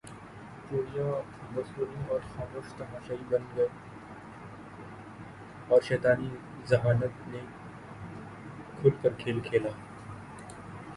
چوڑیاں وصولیں اور خاموش تماشائی بن گئے اور شیطانی ذہانت نے کھل کر کھیل کھیلا